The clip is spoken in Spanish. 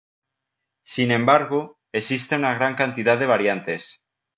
Sin embargo, existe una gran cantidad de variantes.